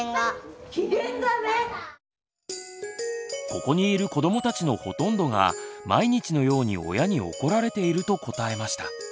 ここにいる子どもたちのほとんどが毎日のように親に怒られていると答えました。